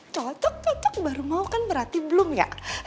cocok cocok baru mau kan berarti belum ya